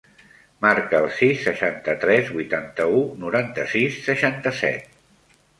Marca el sis, seixanta-tres, vuitanta-u, noranta-sis, seixanta-set.